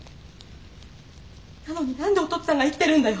なのになんでお父っつぁんが生きてるんだよ。